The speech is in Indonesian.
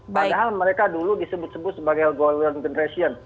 padahal mereka dulu disebut sebut sebagai golden generation